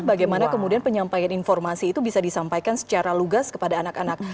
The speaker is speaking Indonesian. bagaimana kemudian penyampaian informasi itu bisa disampaikan secara lugas kepada anak anak